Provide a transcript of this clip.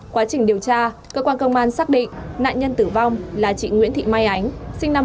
quá trình điều tra cơ quan công an xác định nạn nhân tử vong là chị nguyễn thị mai ánh sinh năm một nghìn chín trăm tám mươi